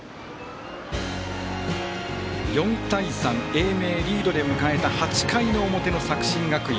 ４対３、英明リードで迎えた８回の表の作新学院。